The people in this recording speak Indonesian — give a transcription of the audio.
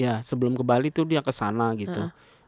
iya sebelum ke bali tuh dia kesana gitu